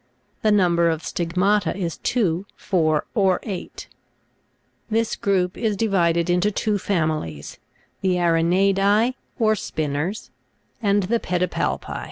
The number of stigmata is two, four, or eight. 16. This group is divided into two families : the Aranei'dce or spinners, and the Pedipalpi.